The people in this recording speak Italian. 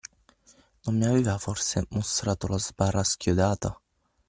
Non mi aveva forse mostrato la sbarra schiodata?